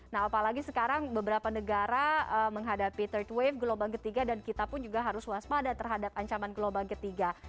nah apalagi sekarang beberapa negara menghadapi third wave gelombang ketiga dan kita pun juga harus waspada terhadap ancaman gelombang ketiga